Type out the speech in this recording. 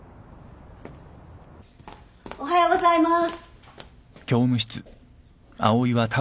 おはようございます。